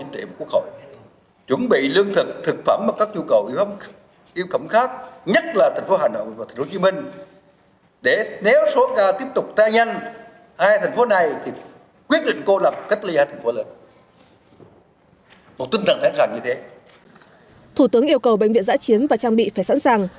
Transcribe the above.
thủ tướng yêu cầu bệnh viện giã chiến và trang bị phải sẵn sàng